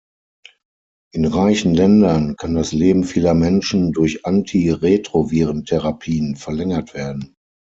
In reichen Ländern kann das Leben vieler Menschen durch Anti-Retroviren-Therapien verlängert werden.